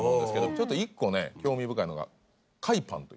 ちょっと１個ね興味深いのが。